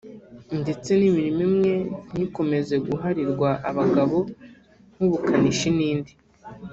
ndetse n’imirimo imwe ntikomeze guharirwa abagabo nk’ubukanishi n’indi